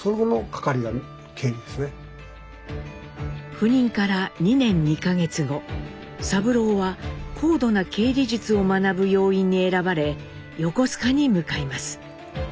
赴任から２年２か月後三郎は高度な経理術を学ぶ要員に選ばれ横須賀に向かいます。